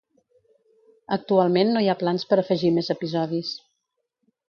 Actualment no hi ha plans per afegir més episodis.